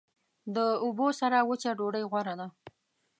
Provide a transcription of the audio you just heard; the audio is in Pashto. د اوبو سره وچه ډوډۍ غوره ده.